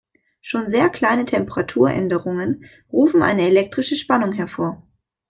Schon sehr kleine Temperaturänderungen rufen eine elektrische Spannung hervor.